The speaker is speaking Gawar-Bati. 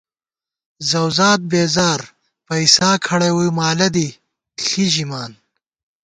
زؤزاد بېزار پئیسا کھَڑَئی ووئی مالہ دی ݪی ژِمان